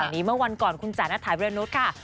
อันนี้เมื่อวันก่อนคุณจ๋านักถ่ายบริยานุษย์ค่ะ